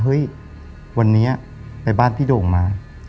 เฮ้ยวันนี้ไปบ้านพี่โด่งมา